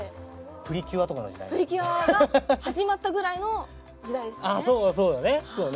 『プリキュア』が始まったぐらいの時代ですね。